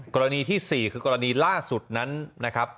กรณีที่๔คือกรณีล่าสุดนั้นนะครับ